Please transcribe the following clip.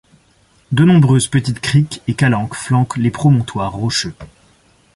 De nombreuses petites criques et calanques flanquent les promontoires rocheux.